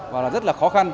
và rất là khó khăn